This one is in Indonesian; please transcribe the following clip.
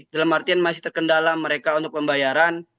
dalam artian masih terkendala mereka untuk pembayaran